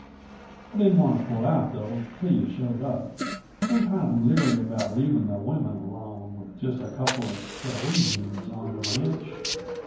I didn't want to pull out, though, till you showed up. I'm kinda leery about leaving the women alone, with just a couple of sow egians on the ranch.